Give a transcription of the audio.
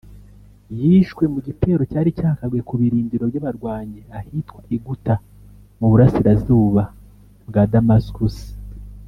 ’ yishwe mu gitero cyari cyagabwe ku birindiro by’abarwanyi ahitwa i Ghouta mu burasirazuba bwa Damascus